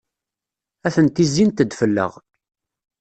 Atenti zzint-d fell-aɣ.